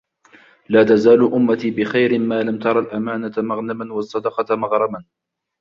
لَا تَزَالُ أُمَّتِي بِخَيْرٍ مَا لَمْ تَرَ الْأَمَانَةَ مَغْنَمًا وَالصَّدَقَةَ مَغْرَمًا